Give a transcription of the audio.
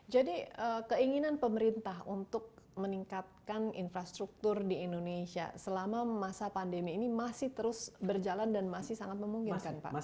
jadi keinginan pemerintah untuk meningkatkan infrastruktur di indonesia selama masa pandemi ini masih terus berjalan dan masih sangat memungkinkan pak